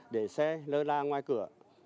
để xe lơ la ngoài cửa